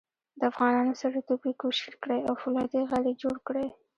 د افغانانو سړیتوب یې کوشیر کړی او فولادي غر یې جوړ کړی.